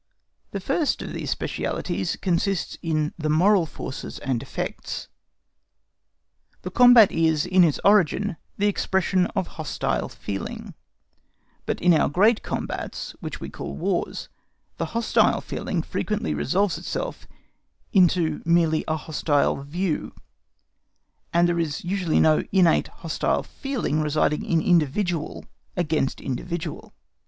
The first of these specialities consists in the moral forces and effects. The combat is, in its origin, the expression of hostile feeling, but in our great combats, which we call Wars, the hostile feeling frequently resolves itself into merely a hostile view, and there is usually no innate hostile feeling residing in individual against individual.